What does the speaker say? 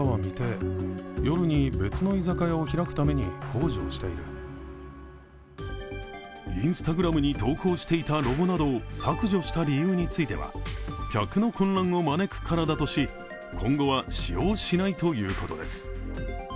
話を聞くとＩｎｓｔａｇｒａｍに投稿していたロゴなどを削除した理由については客の混乱を招くからだとし、今後は使用しないということです。